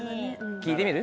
聞いてみる？